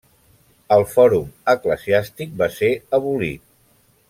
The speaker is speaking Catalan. El fòrum eclesiàstic va ser abolit.